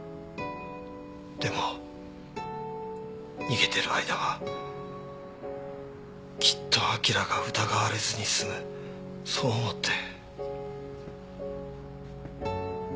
でも逃げてる間はきっとアキラが疑われずに済むそう思って。